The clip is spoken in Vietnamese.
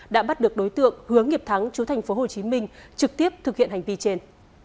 đã bắt được đối tượng hướng nghiệp thắng chú thành phố hồ chí minh trực tiếp thực hiện hành vi trên